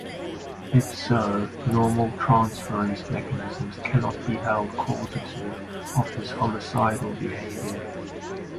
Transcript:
If so, normal transference mechanisms cannot be held causative of his homicidal behavior.